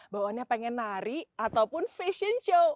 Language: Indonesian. bawahnya pengen nari ataupun fashion show